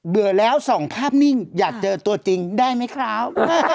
เบื่อแล้วส่องภาพนิ่งอยากเจอตัวจริงได้ไหมครับ